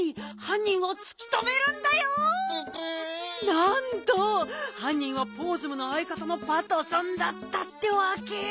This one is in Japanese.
なんとはんにんはポーズムのあいかたのパトソンだったってわけ。